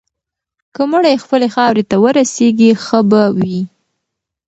که مړی یې خپلې خاورې ته ورسیږي، ښه به وي.